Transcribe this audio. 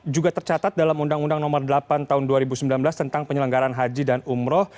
juga tercatat dalam undang undang nomor delapan tahun dua ribu sembilan belas tentang penyelenggaran haji dan umroh